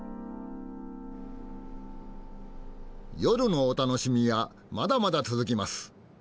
夜のお楽しみはまだまだ続きます。